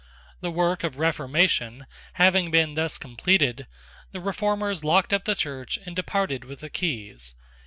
The work of reformation having been thus completed, the reformers locked up the church and departed with the keys.